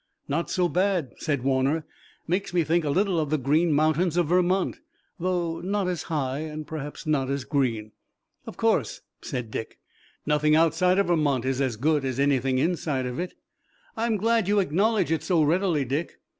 "Not so bad," said Warner. "Makes me think a little of the Green Mountains of Vermont, though not as high and perhaps not as green." "Of course," said Dick. "Nothing outside of Vermont is as good as anything inside of it." "I'm glad you acknowledge it so readily, Dick.